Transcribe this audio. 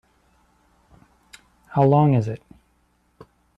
How long is it?